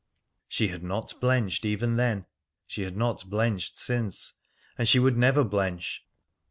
She had not blenched even then. She had not blenched since. And she never would blench.